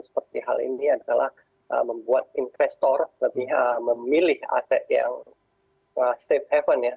seperti hal ini adalah membuat investor lebih memilih aset yang safe haven ya